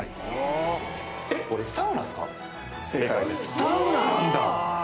サウナなんだ！